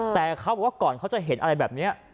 แต่เขาบอกว่าก่อนเขาจะเห็นอะไรแบบนี้